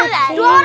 itu malin tuh